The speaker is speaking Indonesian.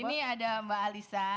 ini ada mbak alisa